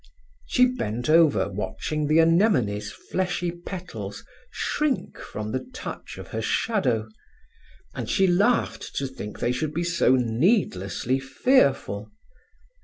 She bent over watching the anemone's fleshy petals shrink from the touch of her shadow, and she laughed to think they should be so needlessly fearful.